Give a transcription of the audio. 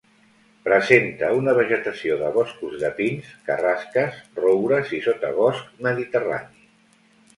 Presenta una vegetació de boscos de pins, carrasques, roures i sotabosc mediterrani.